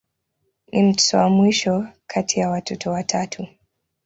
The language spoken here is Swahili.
Ni mtoto wa mwisho kati ya watoto watatu.